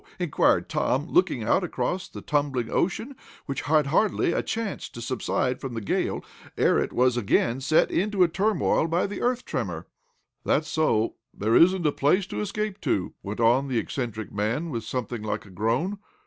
inquired Tom, looking out across the tumbling ocean, which had hardly had a chance to subside from the gale, ere it was again set in a turmoil by the earth tremor. "That's so there isn't a place to escape to," went on the eccentric man, with something like a groan.